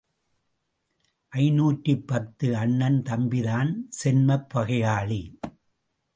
ஐநூற்று பத்து அண்ணன் தம்பிதான் சென்மப் பகையாளி.